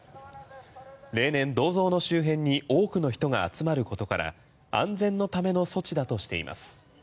例年、銅像の周辺に多くの人が集まることから安全のための措置だとしています。